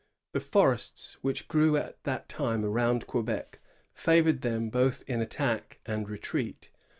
The forests, which grew at that time around Quebec, favored them both in attack and in retreat.